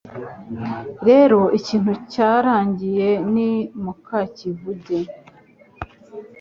rero ikintu cyarangiye ni "mukakivuge